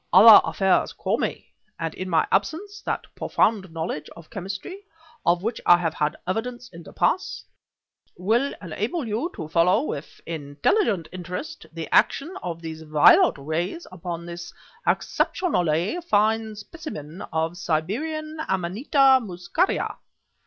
"Other affairs call me; and, in my absence, that profound knowledge of chemistry, of which I have had evidence in the past, will enable you to follow with intelligent interest the action of these violet rays upon this exceptionally fine specimen of Siberian amanita muscaria.